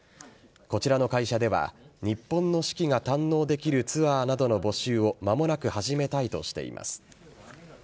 こちらの会社では日本の四季が堪能できるツアーなどの募集をまもなく始めたいとしています。